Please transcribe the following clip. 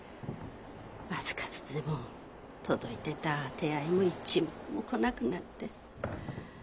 僅かずつでも届いてた手当も一文も来なくなって。